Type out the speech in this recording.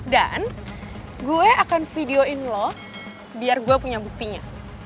dan gue akan videoin lo biar gue punya buktinya